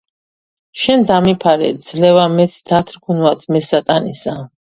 შენ დამიფარე, ძლევა მეც დათრგუნვად მე სატანისა